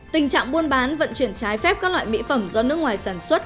tình trạng buôn bán vận chuyển trái phép các loại mỹ phẩm do nước ngoài sản xuất